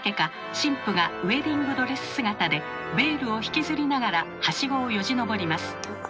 新婦がウエディングドレス姿でベールを引きずりながらハシゴをよじ登ります。